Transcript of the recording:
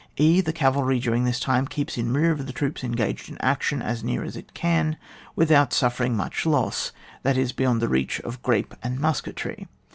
(«.) The cavalry during this time keeps in rear of the troops engaged in action, as near as it can, without suffering much loss, that is beyond the reach of grape and musketry.